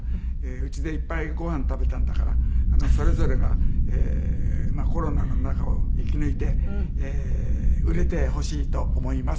うちでいっぱいご飯食べたんだからそれぞれがコロナの中を生き抜いて売れてほしいと思います。